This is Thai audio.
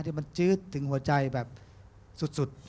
ที่มันจื๊ดถึงหัวใจแบบสุด